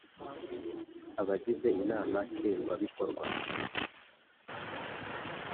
Abagize inama nshingwabikorwa